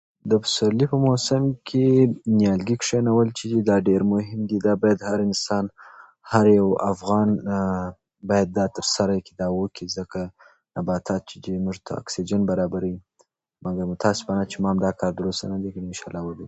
د پسرلي په موسم کې نیالګي کښېنول چې دي، ډېر مهم دي. دا باید هر انسان، هر یو افغان باید دا ترسره کي او دا وکي، ځکه چې نباتات چې دي، دا موږ ته اکسیجن برابروي. مګم متاسفانه چې دا ما کار تر اوسه نه دی کړی؛ ان شاالله چې وبې کو.